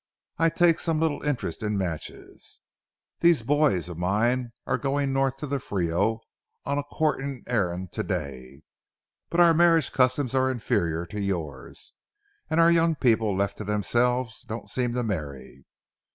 I take some little interest in matches. These boys of mine are going north to the Frio on a courting errand to day. But our marriage customs are inferior to yours, and our young people, left to themselves, don't seem to marry.